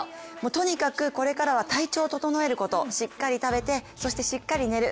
とにかくこれからは体調を整えることしっかり食べてそしてしっかり寝る。